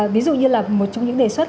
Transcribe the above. ví dụ như là một trong những đề xuất